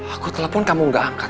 aku telepon kamu gak angkat